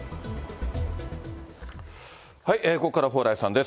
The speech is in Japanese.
ここからは蓬莱さんです。